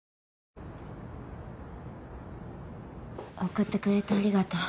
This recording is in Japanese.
送ってくれてありがとう。